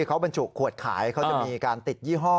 เขาบรรจุขวดขายเขาจะมีการติดยี่ห้อ